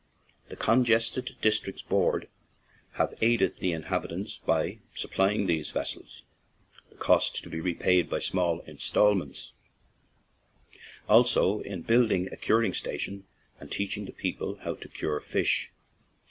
The Congested Districts Board have aided the inhabitants by supplying these vessels, the cost to be repaid by small instalments, also in building a curing station and teach ing the people how to cure fish.